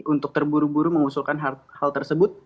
untuk terburu buru mengusulkan hal tersebut